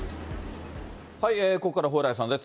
ここからは蓬莱さんです。